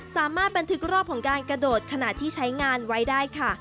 สามารถบันทึกรอบของการกระโดดขณะที่ใช้งานไว้ได้ค่ะ